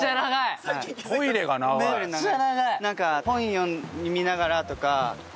なんか本読みながらとか。